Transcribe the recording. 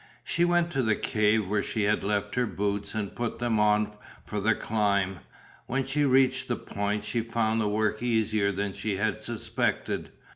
She went to the cave where she had left her boots and put them on for the climb. When she reached the point she found the work easier than she had suspected.